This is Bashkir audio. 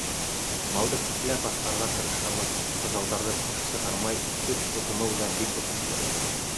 Малды күпләп аҫрарға тырышабыҙ, быҙауҙарҙы ҡыш сығармай, көҙ тотоноу ҙа бик отошло.